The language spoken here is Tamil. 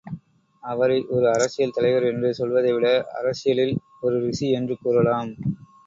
அவரை ஒரு அரசியல் தலைவர் என்று சொல்வதைவிட அரசியலில் ஒரு ரிஷி என்று கூறலாம்.